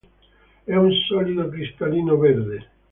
È un solido cristallino verde.